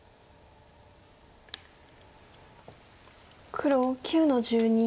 黒９の十二。